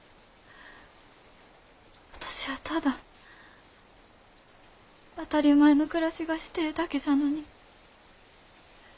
私はただ当たり前の暮らしがしてえだけじゃのに。